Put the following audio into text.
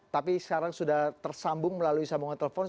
tapi sekarang sudah tersambung melalui sambungan telepon